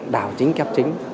của đào chính cấp chính